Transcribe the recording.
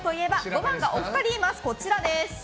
５番がお二人います。